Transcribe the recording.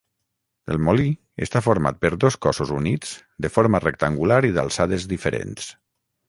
El molí està format per dos cossos units de forma rectangular i d'alçades diferents.